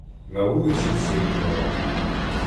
На улиці все і жила.